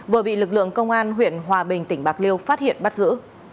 vừa bị lực lượng công an huyện hòa bình tỉnh bạc liêu phát hiện bắt giữ